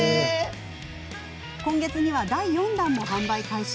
今月には第４弾も販売開始。